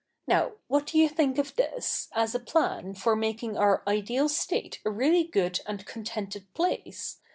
Now, what do you think of this, as a plan for making our ideal state a really good and contented place